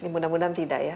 mudah mudahan tidak ya